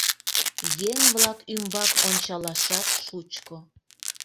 Еҥ-влак ӱмбак ончалашат шучко.